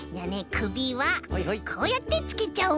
くびはこうやってつけちゃおう。